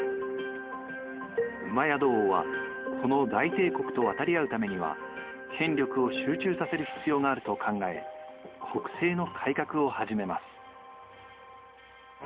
戸王はこの大帝国とわたりあうためには権力を集中させる必要があると考え国政の改革を始めます。